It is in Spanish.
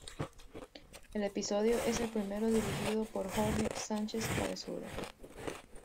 El episodio es el primero dirigido por Jorge Sánchez-Cabezudo.